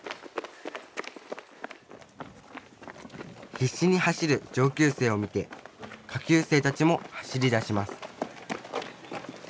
必死に走る上級生を見て下級生たちも走り出します